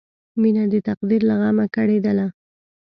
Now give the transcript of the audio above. مینه د تقدیر له غمه کړېدله